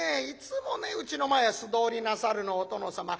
「いつもねうちの前を素通りなさるのお殿様。